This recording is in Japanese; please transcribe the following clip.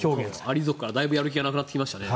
アリ族から、だいぶやる気がなくなってきましたね。